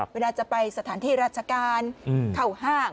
เวลาจะไปสถานที่ราชการเข้าห้าง